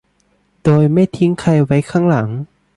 โดยไม่ทิ้งใครไว้ข้างหลัง